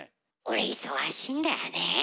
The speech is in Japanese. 俺忙しいんだよね。